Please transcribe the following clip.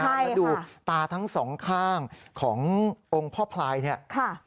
แล้วดูตาทาง๒ขางของโองพ่อพลายนี่